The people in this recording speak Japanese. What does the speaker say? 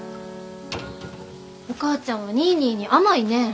お母ちゃんはニーニーに甘いねぇ。